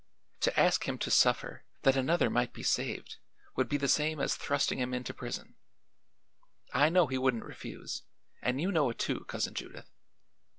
To ask him to suffer that another might be saved would be the same as thrusting him into prison. I know he wouldn't refuse; and you know it, too, Cousin Judith."